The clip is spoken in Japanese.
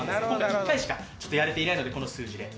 今回１回しかやれていないのでこの数字で。